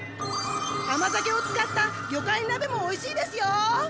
甘酒を使った魚介なべもおいしいですよ！